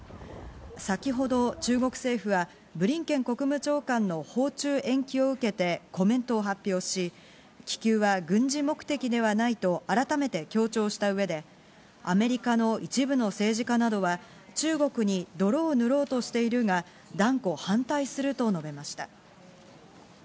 先ほど中国政府はブリンケン国務長官の訪中延期を受けてコメントを発表し、気球は軍事目的ではないと改めて強調した上でアメリカの一部の政治家などは中国に泥を塗ろうとしているが、断固反対すると述べました。